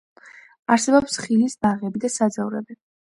არსებობს ხილის ბაღები და საძოვრები.